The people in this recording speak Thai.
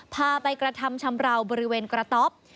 พาไปกระทำชำราวบริเวณกระต๊อบ